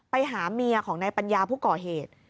ไปหาเมียของนายปัญญาผู้ก่อเหตุ